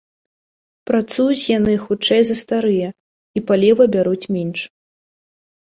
Працуюць яны хутчэй за старыя, і паліва бяруць менш.